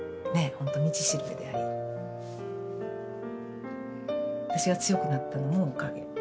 ほんと道しるべであり私が強くなったのもおかげですもんね。